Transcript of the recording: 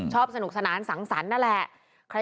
สนุกสนานสังสรรค์นั่นแหละ